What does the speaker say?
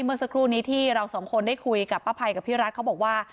เมื่อสักครู่นี้ที่เราสองคนได้คุยกับป้าภัยกับพี่รัฐเขาบอกว่า